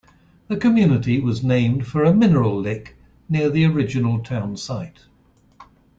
The community was named for a mineral lick near the original town site.